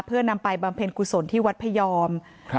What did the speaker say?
เพื่อนำไปบำเพ็ญกุศลที่วัดพยอมครับ